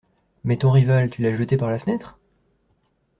Mais ton rival, tu l’as jeté par la fenêtre ?…